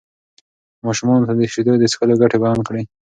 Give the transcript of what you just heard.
ماشومانو ته د شیدو د څښلو ګټې بیان کړئ.